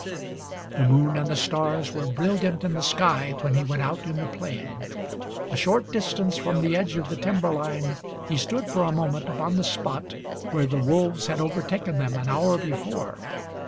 The moon and the stars were brilliant in the sky when he went out in the plain. A short distance from the edge of the timber line he stood for a moment upon the spot where the wolves had overtaken them an hour before.